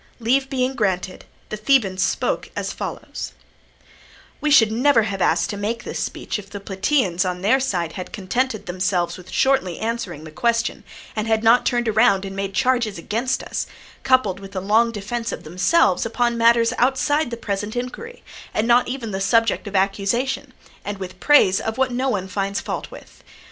Leave being granted, the Thebans spoke as follows: "We should never have asked to make this speech if the Plataeans on their side had contented themselves with shortly answering the question, and had not turned round and made charges against us, coupled with a long defence of themselves upon matters outside the present inquiry and not even the subject of accusation, and with praise of what no one finds fault with.